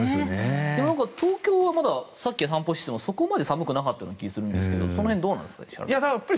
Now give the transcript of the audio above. でも、東京はまださっき散歩していてもそこまで寒くなかった気がしますがその辺、どうなんですか？